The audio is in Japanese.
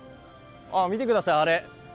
見てください、あれ。